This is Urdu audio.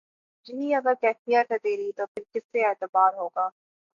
یہی اگر کیفیت ہے تیری تو پھر کسے اعتبار ہوگا